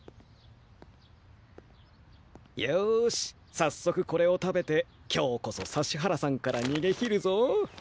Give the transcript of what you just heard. よしさっそくこれを食べて今日こそ指原さんからにげきるぞ。